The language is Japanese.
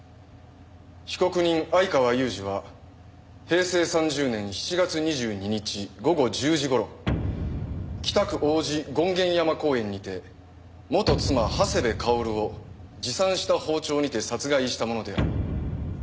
被告人相川裕治は平成３０年７月２２日午後１０時頃北区王子権現山公園にて元妻長谷部薫を持参した包丁にて殺害したものである。